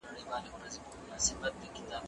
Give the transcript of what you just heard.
زه به سبا پوښتنه وکړم؟!